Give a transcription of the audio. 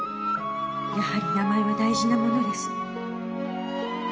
やはり名前は大事なものです」。